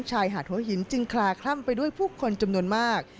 ชายหาดหัวหินจึงคลาคล่ำไปด้วยผู้คนจำนวนมาก